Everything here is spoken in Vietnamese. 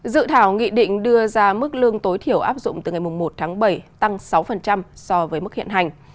dự thảo nghị định đưa ra mức lương tối thiểu áp dụng từ ngày một tháng bảy tăng sáu so với mức hiện hành